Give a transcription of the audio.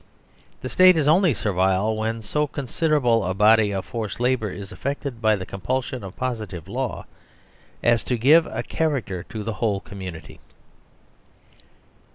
The State is only servile when so considerable a body of forced labour is affected by the compulsion of positive law 17 2 THE SERVILE STATE as to give a character to the whole community.